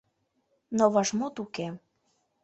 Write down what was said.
Но вашмут уке.